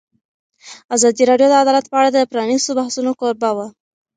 ازادي راډیو د عدالت په اړه د پرانیستو بحثونو کوربه وه.